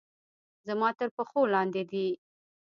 زما تر پښو لاندې دي